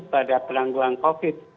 pada penanggulan covid